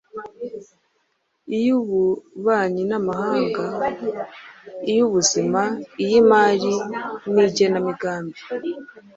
iy’Ububanyi n’Amahanga, iy’Ubuzima, iy’Imari n’Igenamigambi,